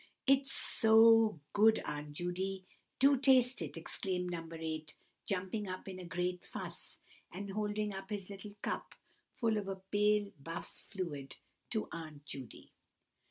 "It's so good, Aunt Judy, do taste it!" exclaimed No. 8, jumping up in a great fuss, and holding up his little cup, full of a pale buff fluid, to Aunt Judy.